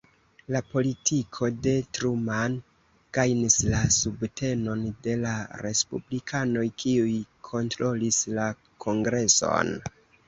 La politiko de Truman gajnis la subtenon de la respublikanoj kiuj kontrolis la kongreson.